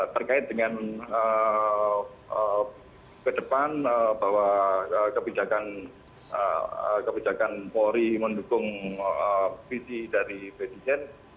terkait dengan ke depan bahwa kebijakan polri mendukung visi dari presiden